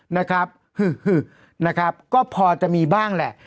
นะครับหึนะครับก็พอจะมีบ้างแหละ